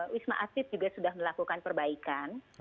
wisma atlet juga sudah melakukan perbaikan